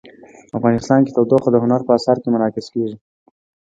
افغانستان کې تودوخه د هنر په اثار کې منعکس کېږي.